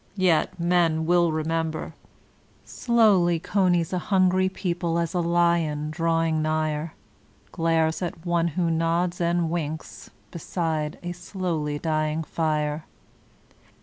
Yet men will remember 'Slowly comes a hungry people as a lion drawing nigher. Glares at ^e who nods and winks beside a slowly dying fire.'